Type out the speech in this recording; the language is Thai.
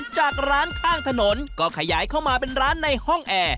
จากร้านข้างถนนก็ขยายเข้ามาเป็นร้านในห้องแอร์